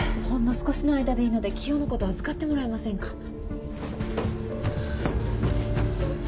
ほんの少しの間でいいのでキヨのこと預かってもらえませんか？